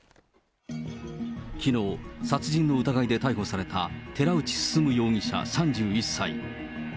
きのう、殺人の疑いで逮捕された寺内進容疑者３１歳。